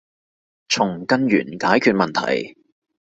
從根源解決問題